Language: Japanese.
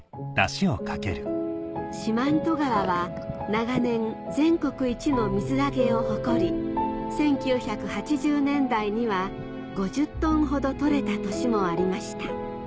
四万十川は長年全国一の水揚げを誇り１９８０年代には５０トンほど採れた年もありました